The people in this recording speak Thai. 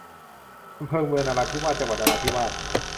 อำเภอเมืองนราธิวาส จังหวัดนราธิวาส